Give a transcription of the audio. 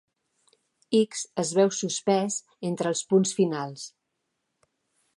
"X" es veu "suspès" entre els punts finals.